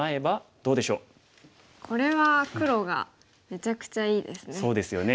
これは黒がめちゃくちゃいいですね。